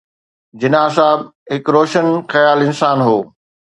جناح صاحب هڪ روشن خيال انسان هو.